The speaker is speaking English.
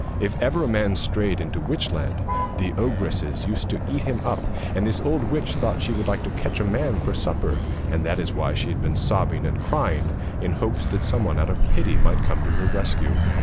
If ever a man strayed into Witchland the ogresses used to eat him up, and this old witch thought she would like to catch a man for supper, and that is why she had been sobbing and crying in hopes that someone out of pity might come to her rescue.